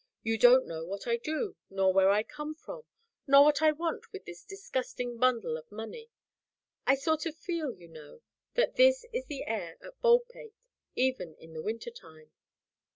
You don't know what I do, nor where I come from, nor what I want with this disgusting bundle of money. I sort of feel, you know that this is in the air at Baldpate, even in the winter time.